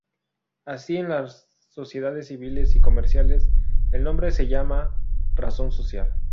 Así, en las sociedades civiles y comerciales, el nombre se llama razón social.